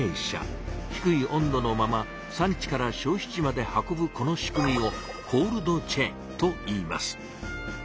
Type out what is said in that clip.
低い温度のまま産地から消費地まで運ぶこの仕組みを「コールドチェーン」と言います。